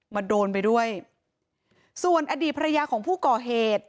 โดนไปด้วยส่วนอดีตภรรยาของผู้ก่อเหตุ